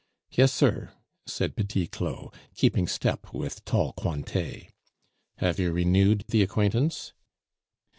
"Yes, sir," said Petit Claud, keeping step with tall Cointet. "Have you renewed the acquaintance?"